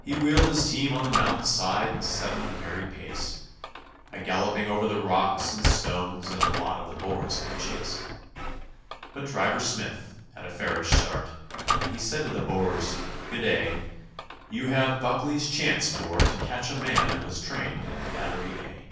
He wheeled his team on the mountain side and set 'em a merry pace, A galloping over the rocks and stones, and a lot of the Boers gave chase; But Driver Smith had a fairish start, and he said to the Boers, 'Good day, You have Buckley's chance for to catch a man that was trained in Battery A.'